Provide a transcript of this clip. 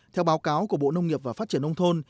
theo báo cáo của bộ nông nghiệp và phát triển nông thôn